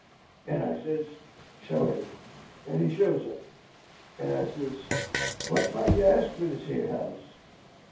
And I sez, 'Show him,' and he shows him. And I sez, 'Wot might you ask for this yer house?'